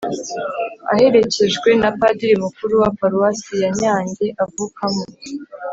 aherekejwe na padiri mukuru wa paruwasi yanyange avukamo